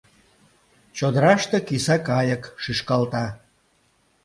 Чодыраште киса кайык шӱшкалта.